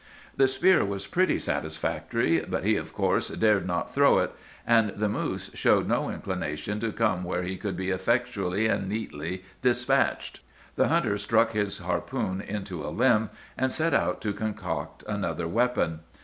"The spear was pretty satisfactory, but he of course dared not throw it; and the moose showed no inclination to come where he could be effectually and neatly despatched. The hunter struck his harpoon into a limb, and set out to concoct another weapon.